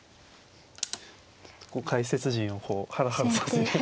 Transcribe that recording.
解説陣をこうハラハラさせるような。